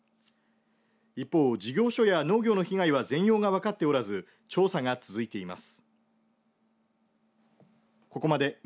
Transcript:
一方、事業所や農業の被害は全容が分かっておらず調査が続いています。